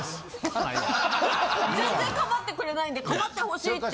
全然構ってくれないんで構ってほしいって。